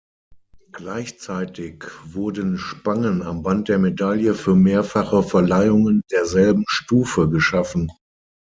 Gleichzeitig wurden Spangen am Band der Medaille für mehrfache Verleihungen derselben Stufe geschaffen.